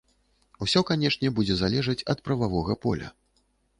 Усё, канечне, будзе залежаць ад прававога поля.